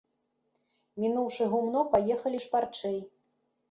Мінуўшы гумно, паехалі шпарчэй.